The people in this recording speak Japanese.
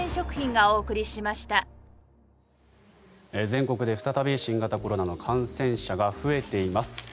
全国で再び新型コロナの感染者が増えています。